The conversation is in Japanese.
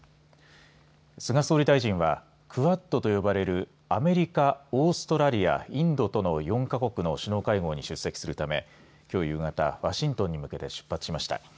菅総理大臣はクアッドと呼ばれるアメリカオーストラリア、インドとの４か国の首脳会合に出席するためきょう夕方、ワシントンに向けて出発しました。